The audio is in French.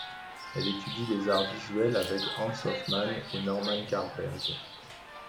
Elle étudie les arts visuels avec Hans Hofmann et Norman Carlberg.